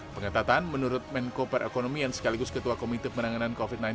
pengetatan menurut menko perekonomian sekaligus ketua komite penanganan covid sembilan belas